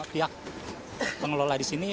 pihak pengelola di sini